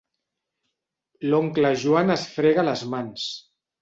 L'oncle Joan es frega les mans.